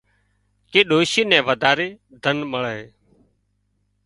ڪي ڏوشي نين وڌاري ڌن مۯي